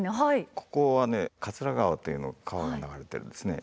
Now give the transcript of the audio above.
ここはね桂川という川が流れてるんですね。